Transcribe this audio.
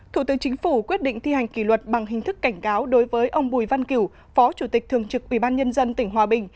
thủ tướng chính phủ quyết định thi hành kỷ luật bằng hình thức cảnh cáo đối với ông bùi văn kiểu phó chủ tịch thường trực ubnd tỉnh hòa bình